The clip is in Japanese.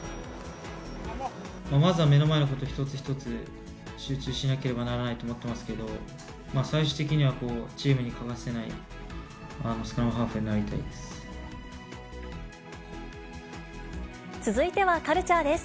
まずは目の前のこと一つ一つ集中しなければならないと思ってますけど、最終的にはチームに欠かせないスクラムハーフになりたいです。